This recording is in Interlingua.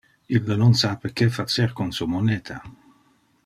Ille non sape que facer con su moneta.